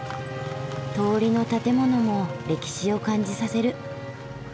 通りの建物も歴史を感じさせる。